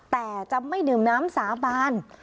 แต่จะไม่ดื่มน้ำสาบาน